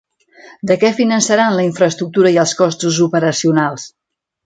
De què finançaran la infraestructura i els costs operacionals?